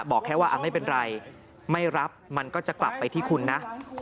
บอกแค่ว่าไม่เป็นไรไม่รับมันก็จะกลับไปที่คุณนะ